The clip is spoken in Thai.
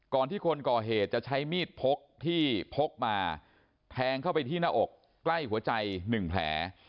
ที่คนก่อเหตุจะใช้มีดพกที่พกมาแทงเข้าไปที่หน้าอกใกล้หัวใจ๑แผล